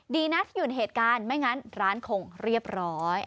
ดีนะที่อยู่ในเหตุการณ์ไม่งั้นร้านคงเรียบร้อย